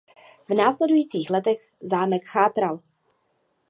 V následujících letech zámek chátral.